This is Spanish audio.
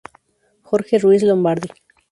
Jorge Ruíz Lombardi.